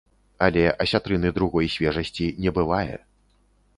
Але асятрыны другой свежасці не бывае.